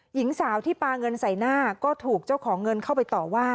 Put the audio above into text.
หญิงสาวที่ปลาเงินใส่หน้าก็ถูกเจ้าของเงินเข้าไปต่อว่า